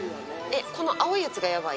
この青いやつがヤバい？